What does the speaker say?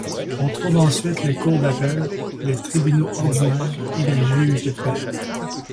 On trouve ensuite les cours d’appel, les tribunaux ordinaires et les juges de paix.